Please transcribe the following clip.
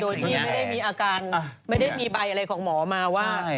โดยที่ไม่ได้มีอาการไม่ได้มีใบอะไรของหมอมาว่า